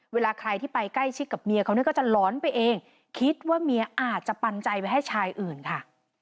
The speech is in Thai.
เวลาใครที่ไปใกล้ชิดกับเมียเขาเนี่ยก็จะหลอนไปเองคิดว่าเมียอาจจะปันใจไปให้ชายอื่นค่ะ